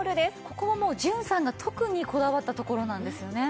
ここはもう純さんが特にこだわったところなんですよね？